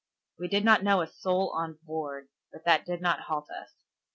We did not know a soul on board, but that did not halt us.